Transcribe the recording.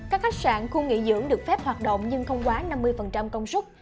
các khách sạn khu nghỉ dưỡng được phép hoạt động nhưng không quá năm mươi công suất